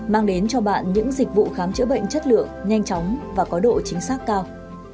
mang đến cho bạn những dịch vụ khám chữa bệnh chất lượng nhanh chóng và có độ chính xác cao